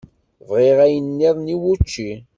Bɣiɣ ayen-nniḍen i wučči.